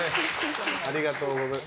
ありがとうございます。